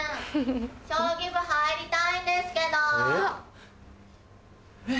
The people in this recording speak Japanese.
将棋部入りたいんですけど・え？